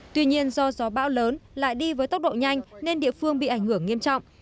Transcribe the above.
tuy nhiên do gió bão lớn lại đi với tốc độ nhanh nên địa phương bị ảnh hưởng nghiêm trọng